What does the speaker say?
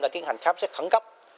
đã tiến hành khám xét khẩn cấp